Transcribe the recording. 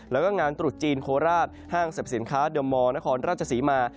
แล้วก็งานตรุษจีนโคราชห้างสรรพสินค้าเดอร์มอร์นครราชศรีมา